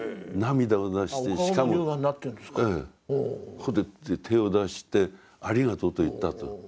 それで手を出してありがとうと言ったと。